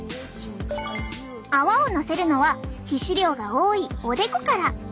泡をのせるのは皮脂量が多いおでこから。